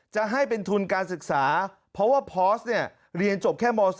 จะให้เป็นทุนการศึกษาเพราะว่าพอสเนี่ยเรียนจบแค่ม๒